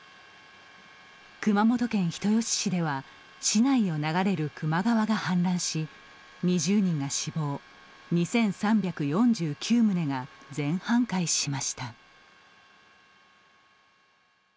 熊本県人吉市では市内を流れる球磨川が氾濫し２０人が死亡２３４９棟が全半壊しました。